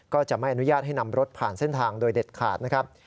ก็จะไม่อนุญาตให้นำรถผ่านเส้นทางโดยเด็ดขาดนะครับ